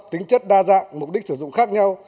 tính chất đa dạng mục đích sử dụng khác nhau